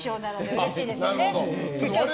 うれしいですね。